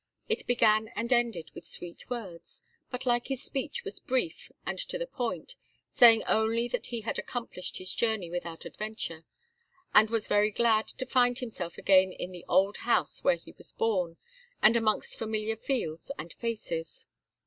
It began and ended with sweet words, but, like his speech, was brief and to the point, saying only that he had accomplished his journey without adventure, and was very glad to find himself again in the old house where he was born, and amongst familiar fields and faces.